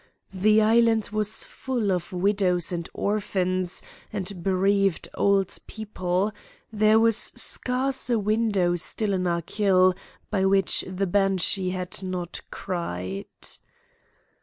The Island was full of widows and orphans and bereaved old people; there was scarce a window sill in Achill by which the banshee had not cried.